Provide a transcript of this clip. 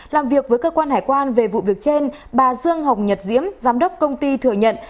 làm việc với cơ quan hải quan về vụ việc trên bà dương hồng nhật diễm giám đốc công ty thừa nhận